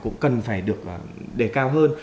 cũng cần phải được đề cao hơn